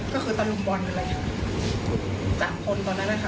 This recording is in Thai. ก็คือตำรุมบอลอยู่เลยค่ะสามคนตอนนั้นน่ะค่ะ